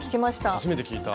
初めて聞いた。